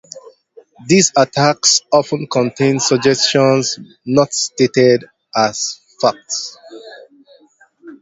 These attacks often contain suggestions not stated as facts.